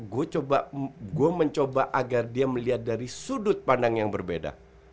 gue coba gue mencoba agar dia melihat dari sudut pandang yang berbeda